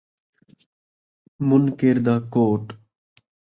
منکر دا کوٹ